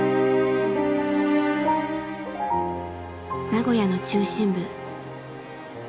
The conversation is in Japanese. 名古屋の中心部。